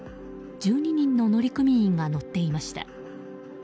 １２人の乗組員が乗っていました。